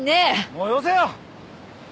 もうよせよ！